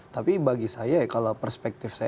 tapi bagi saya ya kalau perspektif lainnya ya